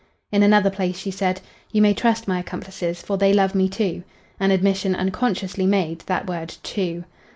In another place she said: "You may trust my accomplices, for they love me, too." An admission unconsciously made, that word "too."